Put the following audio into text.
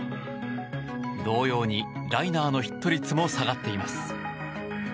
同様にライナーのヒット率も下がっています。